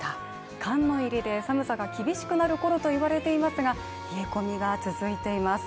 寒の入りで、寒さが厳しくなるころといわれていますが冷え込みが続いています。